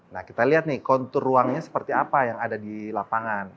nah kita lihat nih kontur ruangnya seperti apa yang ada di lapangan